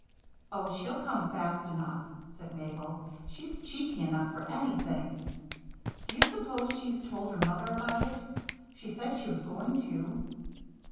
"Oh, she'll come fast enough," said Mabel. "She's cheeky enough for anything. Do you s'pose she told her mother about it? She said she was going to."